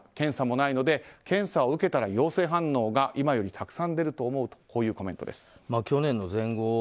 検査もないので検査を受けたら陽性反応が今よりたくさん出ると思うというコメント。